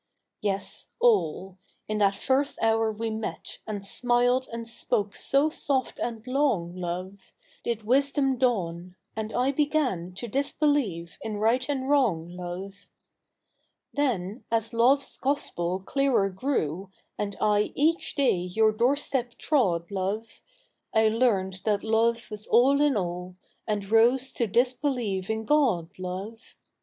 Ves, all. In that first Jiour we met And smiled and spoke so soft and long, loi'e, Did 'wisdom dawn ; and I began To disbelieve in right and wrong, love. Then, as lo^ e's gospel clearer grew. And I each day your doorstep trod, loi'e, I learned that laie was all in all. And rose to disbelieve in Cod, loz'e.